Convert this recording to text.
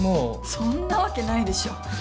そんなわけないでしょ。